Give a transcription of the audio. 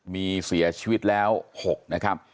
มีเสียชีวิตแล้ว๖นะครับ